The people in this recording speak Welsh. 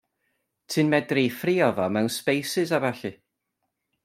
Ti'n medru 'i ffrio fo mewn sbeisys a ballu.